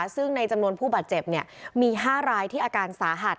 ซึ่งในจำนวนผู้บาดเจ็บมี๕รายที่อาการสาหัส